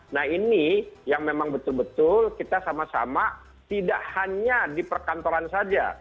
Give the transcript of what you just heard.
nah ini yang memang betul betul kita sama sama tidak hanya di perkantoran saja